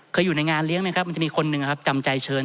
เคยอยู่ในงานเลี้ยงมันจะมีคนหนึ่งจำใจเชิญ